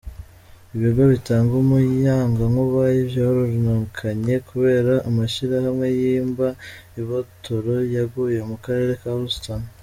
Ibigo bitanga umuyagankuba vyarononekaye kubera amashirahamwe yimba ibitoro yugaye mu karere ka Houston.